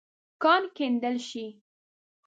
کان کیندل شې.